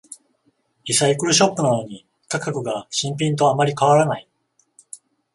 リサイクルショップなのに価格が新品とあまり変わらない